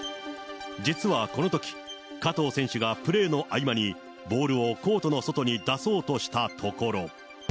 実はこのとき、加藤選手がプレーの合間に、ボールをコートの外に出そうとしたところ。